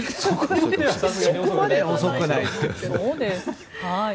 そこまで遅くないですね。